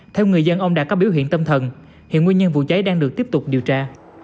theo người dân ông đã có biểu hiện tâm thần hiện nguyên nhân vụ cháy đang được tiếp tục điều tra